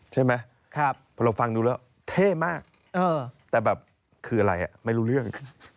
ใช่ไหมพอเราฟังดูแล้วเท่มากแต่แบบคืออะไรไม่รู้เรื่อง